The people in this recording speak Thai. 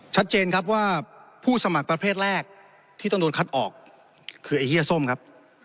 ชัดเจนครับว่าผู้สมัครประเภทแรกที่ต้องโดนคัดออกคือไอ้เฮียส้มครับ